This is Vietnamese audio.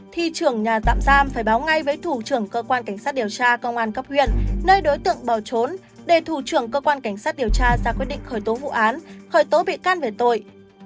thì trưởng nhà tạm giam phải báo ngay với thủ trưởng cơ quan cảnh sát điều tra công an cấp huyện nơi đối tượng bỏ trốn để thủ trưởng cơ quan cảnh sát điều tra ra quyết định khởi tố vụ án khởi tố bị can về tội